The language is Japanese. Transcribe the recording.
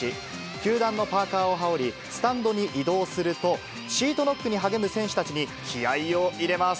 球団のパーカーを羽織り、スタンドに移動すると、シートノックに励む選手たちに気合いを入れます。